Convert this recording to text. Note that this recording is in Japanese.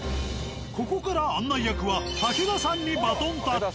ここから案内役は竹田さんにバトンタッチ。